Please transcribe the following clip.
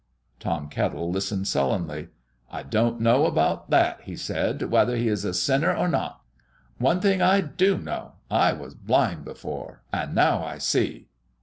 Tom Kettle listened sullenly. "I don't know about that," he said, "whether He is a sinner or not. One thing I do know: I was blind before, and now I see."